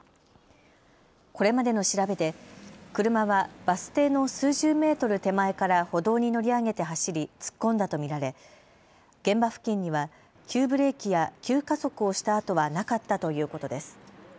これまでの調べで車はバス停の数十メートル手前から歩道に乗り上げて走り突っ込んだと見られ、現場付近には急ブレーキや急加速をした跡はなかったということです。